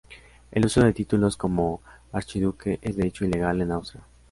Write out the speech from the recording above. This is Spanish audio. El uso de títulos como archiduque es de hecho ilegal en Austria.